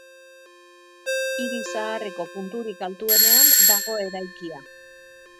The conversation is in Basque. Hiri zaharreko punturik altuenean dago eraikia.